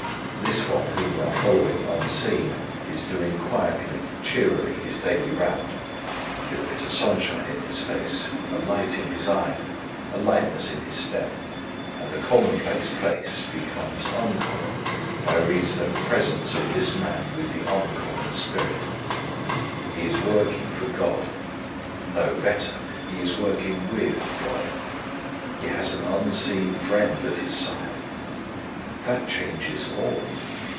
This one whom we are following unseen is doing quietly, cheerily his daily round, with a bit of sunshine in his face, a light in his eye, and lightness in his step, and the commonplace place becomes uncommon by reason of the presence of this man with the uncommon spirit. He is working for God. No, better, he is working with God. He has an unseen Friend at his side. That changes all.